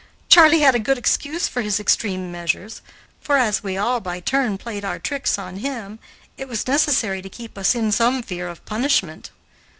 Charley had a good excuse for his extreme measures, for, as we all by turn played our tricks on him, it was necessary to keep us in some fear of punishment.